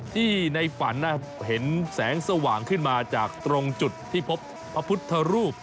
ที่ในฝันเห็นแสงสว่างขึ้นมาจากตรงจุดที่พบพระพุทธรูป